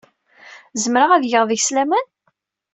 Zemreɣ ad geɣ deg-s laman?